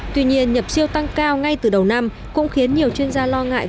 tuy nhiên nhập siêu tăng cao ngay từ đầu năm cũng khiến nhiều chuyên gia lo ngại